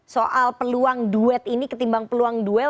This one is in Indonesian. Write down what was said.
soal peluang duet ini ketimbang peluang duel